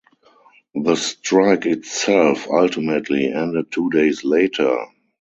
The strike itself ultimately ended two days later.